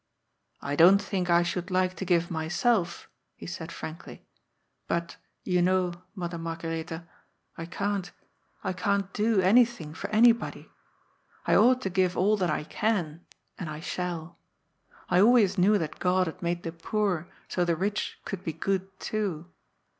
^^ I don't think I should like to give my self,'' he said frankly. " But, you know. Mother Margare tha, I can't, I can't do anything for anybody. I ought to give all that I can, and I shall. I always knew that God had made the poor so the rich could be good too.